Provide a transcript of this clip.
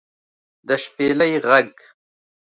د شپېلۍ غږ